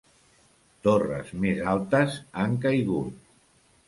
Torres més altes han caigut.